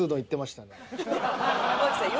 山内さん